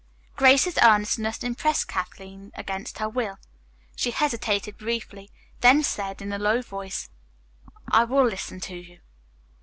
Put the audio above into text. Grace's earnestness impressed Kathleen against her will. She hesitated briefly, then said in a low voice, "I will listen to you."